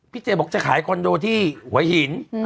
เจบอกจะขายคอนโดที่หัวหิน